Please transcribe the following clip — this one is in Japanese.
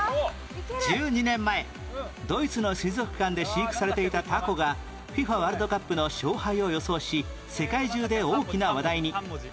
１２年前ドイツの水族館で飼育されていたタコが ＦＩＦＡ ワールドカップの勝敗を予想し世界中で大きな話題に